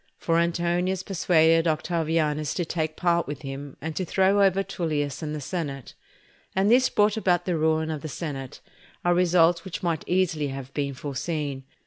For Antonius persuaded Octavianus to take part with him, and to throw over Tullius and the senate. And this brought about the ruin of the senate, a result which might easily have been foreseen.